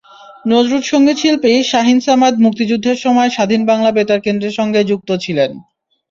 নজরুলসংগীতশিল্পী শাহীন সামাদ মুক্তিযুদ্ধের সময় স্বাধীন বাংলা বেতার কেন্দ্রের সঙ্গে যুক্ত ছিলেন।